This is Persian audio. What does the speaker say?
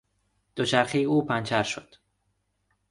دوچرخهٔ او پنچر شد.